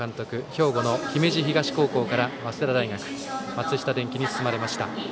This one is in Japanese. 兵庫県の姫路東高校から早稲田大学、松下電器に進まれました。